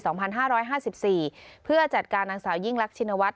สองพันห้าร้อยห้าสิบสี่เพื่อจัดการนางสาวยิ่งลักษณวร